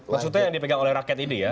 maksudnya yang dipegang oleh rakyat ini ya